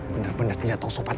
benar benar tidak tahu sopan